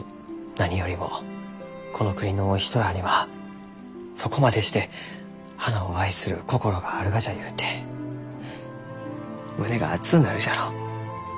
何よりもこの国のお人らあにはそこまでして花を愛する心があるがじゃゆうてフッ胸が熱うなるじゃろう？